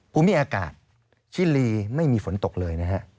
ภูมิอากาศชิลีไม่มีฝนตกเลยนะฮะ